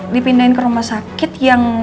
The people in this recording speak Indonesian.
dipindahin ke rumah sakit yang